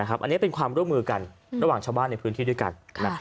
อันนี้เป็นความร่วมมือกันระหว่างชาวบ้านในพื้นที่ด้วยกัน